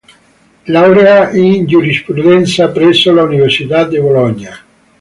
Laurea in Giurisprudenza presso l'Università di Bologna.